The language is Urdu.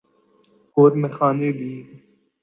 اور میخانے بھی۔